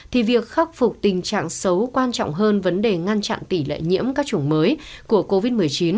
thì việc khắc phục tình trạng xấu quan trọng hơn vấn đề ngăn chặn tỷ lệ nhiễm các chủng mới của covid một mươi chín